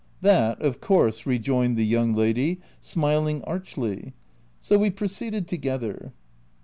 "That of course," rejoined the young lady, smiling archly. So we proceeded together.